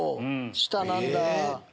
下なんだぁ。